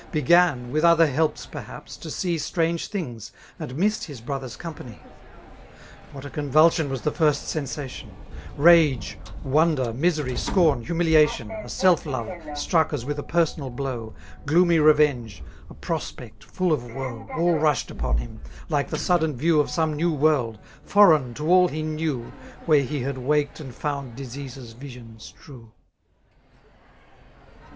Began, with other helps peihaps» to see Strange things, and missed his brother's company* What a convulsion was the first sensation ! Rage, wonder, misery, scorn^ humiliation, A self love, struck as with a personal blow. Gloomy revenge, a ]nx>spect foQ of woe. All rushed upon him, like the sudden view Of some new world, fbrdgn to all ha knew. Where he had waked and found disease^s visions true.